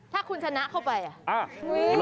ถ้าคุณชนะเข้าไปอ่ะ